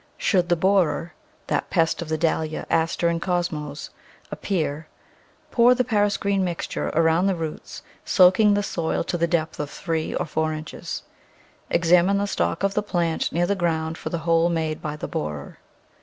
Should the borer — that pest of the Dahlia, Aster, and Cosmos — appear, pour the Paris green mixture around the roots, soaking the soil to the depth of three or four inches. Examine the stock of the plant near the ground for the hole made by the borer.